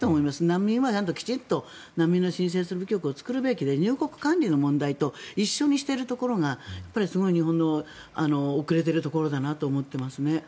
難民はきちんと難民の申請をする部局を作るべきで入国管理の問題と一緒にしているところが日本の遅れているところだなと思っていますね。